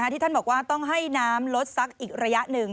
ที่ท่านบอกว่าต้องให้น้ำลดซักอีกระยะหนึ่ง